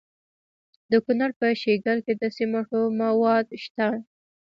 د کونړ په شیګل کې د سمنټو مواد شته.